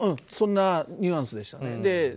そんなニュアンスでしたね。